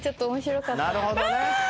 なるほどね。